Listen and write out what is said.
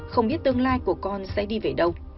không biết tương lai của con sẽ đi về đâu